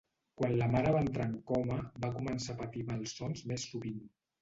Quan la mare va entrar en coma va començar a patir malsons més sovint.